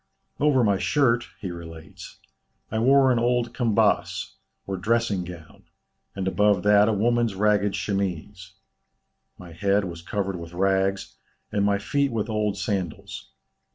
"Over my shirt" he relates, "I wore an old kambas, or dressing gown, and above that a woman's ragged chemise; my head was covered with rags, and my feet with old sandals.